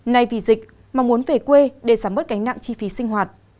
nay vì dịch mà muốn về quê để giảm bớt gánh nặng chi phí sinh hoạt